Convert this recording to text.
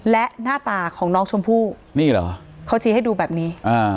และหน้าตาของน้องชมพู่นี่เหรอเขาชี้ให้ดูแบบนี้